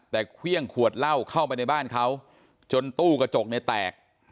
แต่เครื่องขวดเหล้าเข้าไปในบ้านเขาจนตู้กระจกเนี่ยแตก